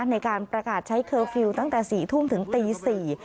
ในการประกาศใช้เคอร์ฟิลล์ตั้งแต่๔ทุ่มถึงตี๔